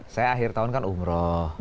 saya akhir tahun kan umroh